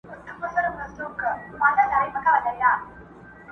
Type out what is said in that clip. پر خوار او پر غریب د هر آفت لاسونه بر دي،